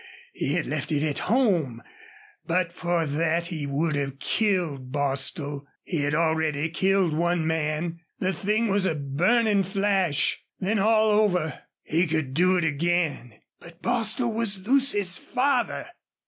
He had left it at home. But for that he would have killed Bostil. He had already killed one man. The thing was a burning flash then all over! He could do it again. But Bostil was Lucy's father!